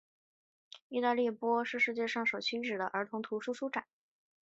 意大利波隆那童书展是世界上首屈一指的儿童图书书展。